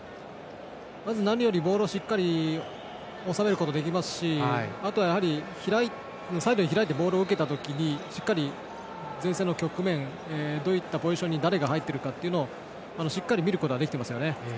まず何よりボールをしっかり収められますしあとはサイドに開いてボールを受けた時にしっかり前線の局面どういったポジションに誰が入っているかをしっかり見られています。